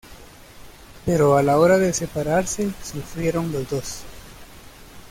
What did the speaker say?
Pero a la hora de separarse sufrieron los dos.